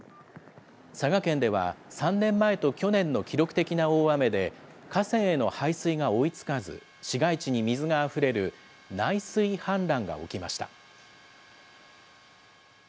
佐賀県では３年前と去年の記録的な大雨で、河川への排水が追いつかず、市街地に水があふれる、内水氾濫が起きました。